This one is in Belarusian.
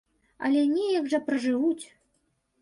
Але неяк жа пражывуць!